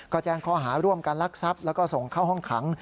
ก็แจ้งข้อหาร่วมกันลักทรัพย์แล้วก็ส่งเข้าห้องขัง